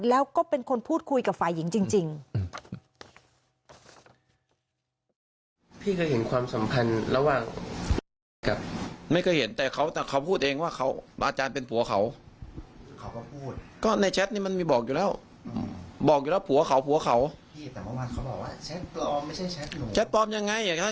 แล้วก็เป็นคนพูดคุยกับฝ่ายหญิงจริง